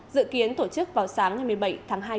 dự kiến tổ chức vào sáng hai mươi bảy tháng hai tới